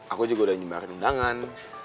aku juga udah nyembahkan undangan